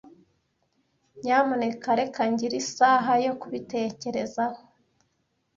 Nyamuneka reka ngire isaha yo kubitekerezaho.